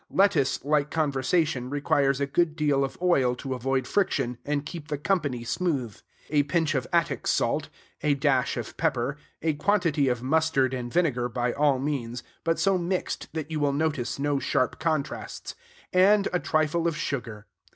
Lettuce, like conversation, requires a good deal of oil to avoid friction, and keep the company smooth; a pinch of attic salt; a dash of pepper; a quantity of mustard and vinegar, by all means, but so mixed that you will notice no sharp contrasts; and a trifle of sugar.